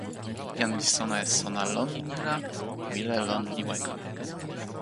jan li sona e sona lon ni la wile lon li weka.